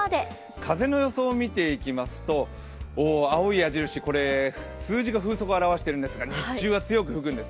風の予想を見ていきますと青い矢印、数字が風速を表しているんですが日中は強く吹くんです。